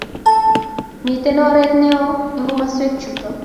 Miten oret ne oo eng komaswek chuto